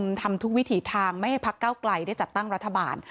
คุณทำทุกวิถีทางไม่ให้พักเก้าไกลได้จัดตั้งรัฐบาล